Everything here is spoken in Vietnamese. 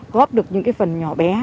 góp được những cái phần nhỏ bé